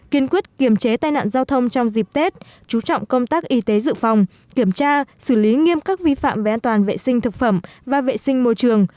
kiên quyết kiềm chế tai nạn giao thông trong dịp tết chú trọng công tác y tế dự phòng kiểm tra xử lý nghiêm các vi phạm về an toàn vệ sinh thực phẩm và vệ sinh môi trường